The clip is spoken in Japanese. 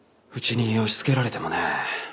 うちに押しつけられてもね。